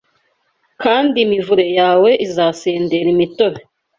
kandi imivure yawe izasendera imitobe